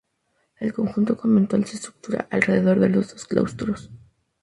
El conjunto conventual se estructura alrededor de los dos claustros.